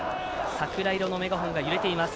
桜色のメガホンが揺れています